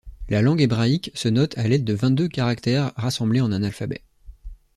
La langue hébraïque se note à l'aide de vingt-deux caractères rassemblés en un alphabet.